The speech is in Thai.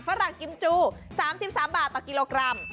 ฝรั่งกิมจู๓๓บาทต่อกิโลกรัม